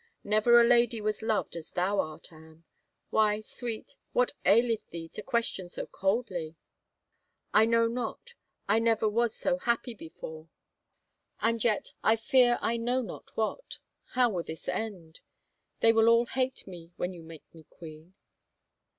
Never a lady was loved as thou art, Anne. ... Why, Sweet, what aileth thee to question so coldly ?"" I know not — I never was so happy before, and yet i6o « IN HEVER CASTLE I fear I know not what. How will this end ?... They will all hate me when you make me queen."